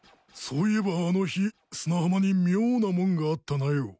そういえばあの日砂浜に妙なもんがあったなよ。